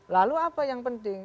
lalu apa yang penting